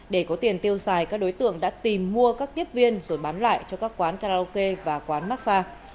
để có tiền tiêu xài các đối tượng đã tìm mua các tiếp viên rồi bán lại cho các quán karaoke và quán massage